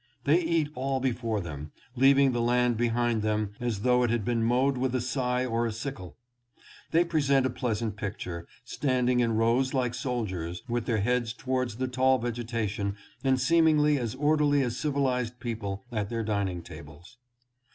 They eat all before them, leaving the land behind them as though it had been mowed with a scythe or a sickle. They present a pleasant picture, standing in rows like soldiers, with their heads towards the tall vegetation and seemingly as orderly as civilized people at their dining tables.